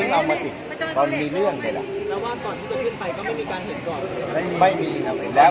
สวัสดีครับพี่เบนสวัสดีครับ